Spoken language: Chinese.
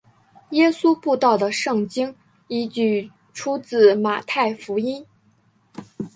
耶稣步道的圣经依据出自马太福音。